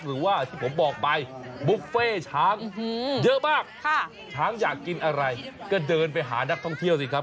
หรือว่าที่ผมบอกไปบุฟเฟ่ช้างเยอะมากช้างอยากกินอะไรก็เดินไปหานักท่องเที่ยวสิครับ